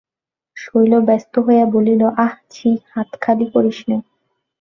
শৈল ব্যস্ত হইয়া বলিল, আঃ ছিঃ, হাত খালি করিস নে।